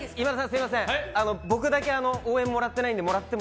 すいません、僕だけ応援もらってないんでもらっても？